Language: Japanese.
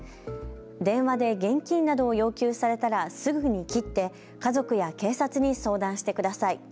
電話で現金などを要求されたらすぐに切って家族や警察に相談してください。